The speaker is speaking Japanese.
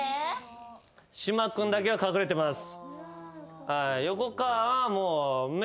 島君だけが隠れてます。